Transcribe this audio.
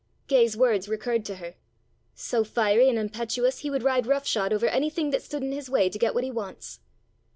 Gay's words recurred to her: "So fiery and impetuous he would ride rough shod over anything that stood in his way to get what he wants."